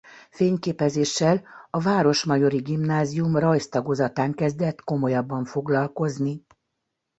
Fényképezéssel a Városmajori Gimnázium rajz tagozatán kezdett komolyabban foglalkozni.